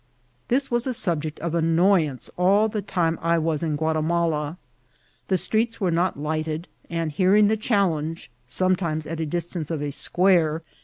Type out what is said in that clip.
This was a subject of annoyance all the time I was in Ghiatimala. The streets were not lighted; and hear ing the challenge, sometimes at the distance of a square, MILITARY POLICB.